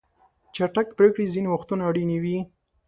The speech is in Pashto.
چټک پریکړې ځینې وختونه اړینې وي.